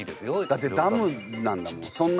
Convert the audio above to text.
だってダムなんだもん